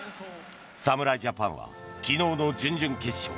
侍ジャパンは昨日の準々決勝